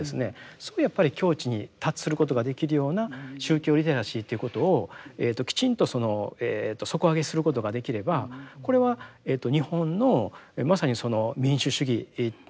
そういうやっぱり境地に達することができるような宗教リテラシーということをきちんと底上げすることができればこれは日本のまさにその民主主義のですね